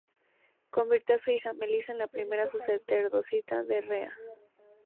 Convirtió a su hija Melisa en la primera sacerdotisa de Rea.